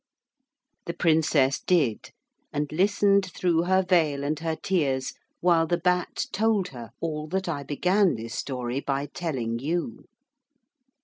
The Princess did, and listened through her veil and her tears, while the Bat told her all that I began this story by telling you.